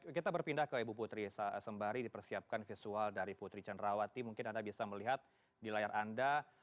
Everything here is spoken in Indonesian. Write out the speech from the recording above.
kita berpindah ke ibu putri sembari dipersiapkan visual dari putri cenrawati mungkin anda bisa melihat di layar anda